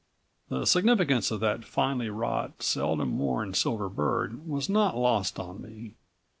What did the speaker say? The significance of that finely wrought, seldom worn silver bird was not lost on me.